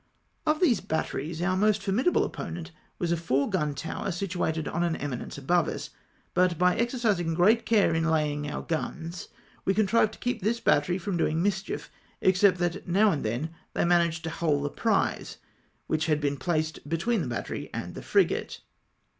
Of these batteries our most formidable opponent was a four gun tower, situated on an eminence above us ; but by exercising great care in laying our guns, we contrived to keep this battery from doing mischief, except that now and then they managed to hull the prize, which had been placed between the battery and the frigate.